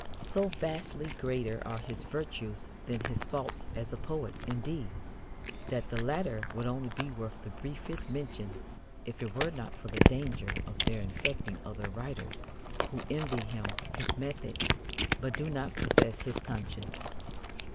So vastly greater are his virtues than his faults as a poet, indeed, that the latter would only be worth the briefest mention if it were not for the danger of their infecting other writers who envy him his method but do not possess his conscience.